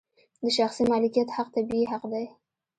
د شخصي مالکیت حق طبیعي حق دی.